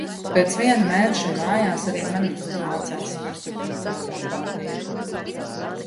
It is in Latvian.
Pēc viena mēneša mājās arī man mācas virsū kaut kāda apātija.